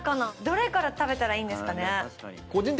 どれから食べたらいいんですかね？